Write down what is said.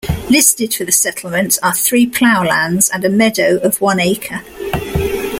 Listed for the settlement are three ploughlands and a meadow of one acre.